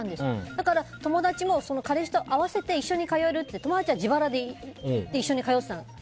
だから、友達も彼氏と合わせて一緒に通えるって友達は自腹で一緒に通ってたの。